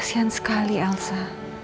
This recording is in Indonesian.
tidak ada apa apa